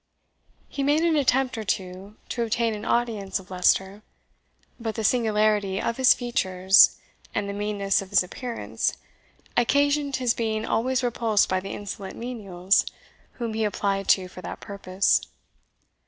He made an attempt or two to obtain an audience of Leicester; but the singularity of his features and the meanness of his appearance occasioned his being always repulsed by the insolent menials whom he applied to for that purpose.